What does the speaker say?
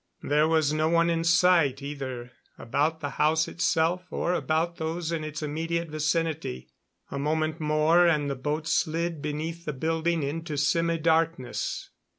There was no one in sight, either about the house itself or about those in its immediate vicinity. A moment more and the boat slid beneath the building into semidarkness.